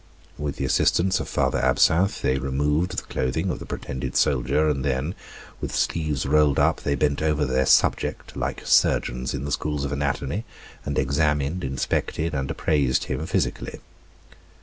With the assistance of Father Absinthe, they removed the clothing of the pretended soldier, and then, with sleeves rolled up, they bent over their "subject" like surgeons in the schools of anatomy, and examined, inspected, and appraised him physically.